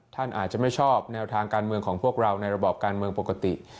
ท่านอาจจะไม่ชอบแนวทางการเมืองของพวกเราในระบอบการเมืองปกติ